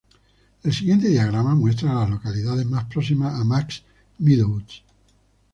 El siguiente diagrama muestra a las localidades más próximas a Max Meadows.